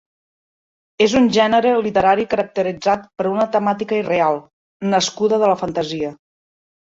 És un gènere literari caracteritzat per una temàtica irreal, nascuda de la fantasia.